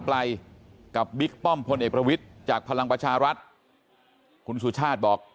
ไกลกับบิ๊กป้อมพลเอกประวิทย์จากพลังประชารัฐคุณสุชาติบอก